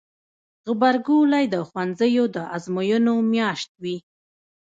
غبرګولی د ښوونځیو د ازموینو میاشت وي.